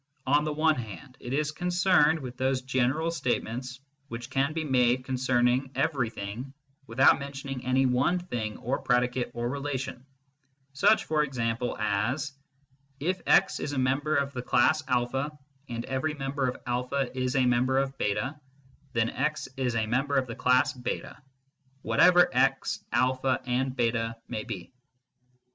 On the one hand it is concerned with those general state ments which can be made concerning everything without mentioning any one thing or predicate or relation, such for example as " if x is a member of the class a and every member of a is a member of ft , then x is a member of the class ft, whatever x, a, and ft may be."